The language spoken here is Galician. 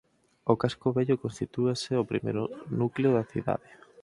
O Casco Vello constitúe o primeiro núcleo da cidade.